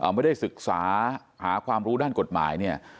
ไม่ได้ศึกษาหาความรู้ด้านกฎหมายเนี่ย